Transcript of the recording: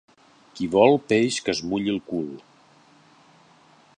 Qui vol peix que es mulli el cul